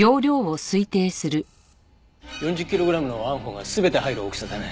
４０キログラムのＡＮＦＯが全て入る大きさだね。